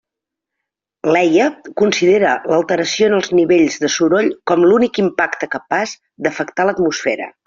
L'EIA considera l'alteració en els nivells de soroll com l'únic impacte capaç d'afectar l'atmosfera.